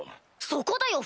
そこだよ